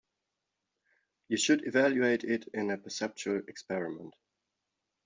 You should evaluate it in a perceptual experiment.